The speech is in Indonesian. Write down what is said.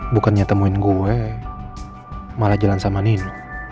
bukannya temuin gue malah jalan sama nino